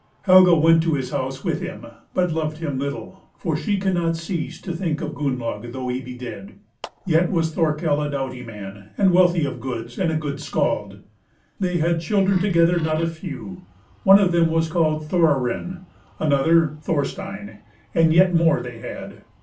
Helga went to his house with him, but loved him little, for she cannot cease to think of Gunnlaug, though he be dead. Yet was Thorkel a doughty man, and wealthy of goods, and a good skald. They had children together not a few, one of them was called Thorarin, another Thorstein, and yet more they had.